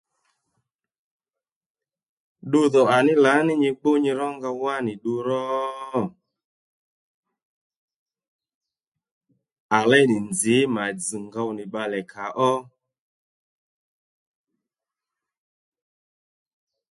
Ddudhò ǎní lǎní nyi gbú nyi rónga wánì ddu ró? À léy nì nzǐ mà dzz̀ ngow nì bbalè kàó